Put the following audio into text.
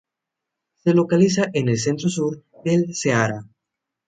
Se localiza en el Centro-sur del Ceará.